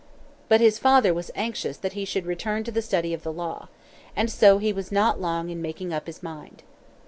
But his father was anxious that he should return to the study of the law. And so he was not long in making up his mind.